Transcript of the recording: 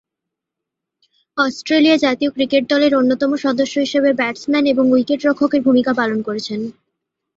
Australia জাতীয় cricket দলের অন্যতম সদস্য হিসেবে ব্যাটসম্যান এবং উইকেট-রক্ষকের ভূমিকা পালন করছেন।